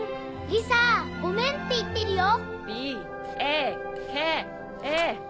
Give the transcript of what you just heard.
リサ「ごめん」って言ってるよ。